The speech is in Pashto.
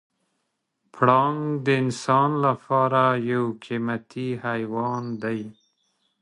پړانګ د انسان لپاره یو قیمتي حیوان دی.